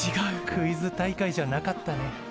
クイズ大会じゃなかったね。